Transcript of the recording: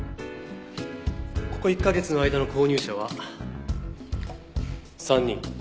ここ１カ月の間の購入者は３人。